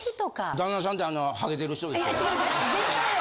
旦那さんってあのハゲてる人ですよね？